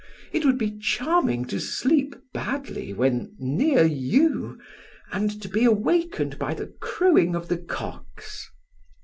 It would be charming to sleep badly when near you and to be awakened by the crowing of the cocks."